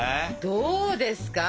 どうですか？